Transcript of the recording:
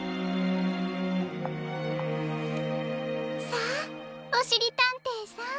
さあおしりたんていさん。